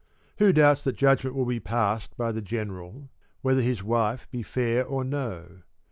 Who doubts that judgment will be passed by the general whether his wife be fair or no